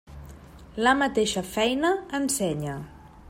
La mateixa feina ensenya.